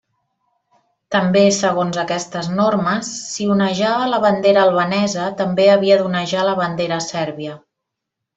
També segons aquestes normes, si onejava la bandera albanesa, també havia d'onejar la bandera sèrbia.